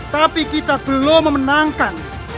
tapi kita belum memenangkan